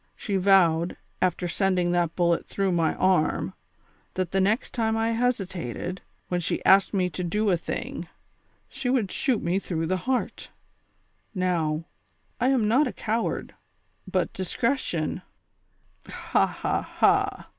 She vowed, after sending tliat bullet through my arm. that the next time I hesitated, when she asked me to do a thing, 14 210 THE SOCIAL WAR OF 1900; OE, she would shoot me thioiigh the heart. Kow, I am not a coward, but discretion "— "Ha! ha!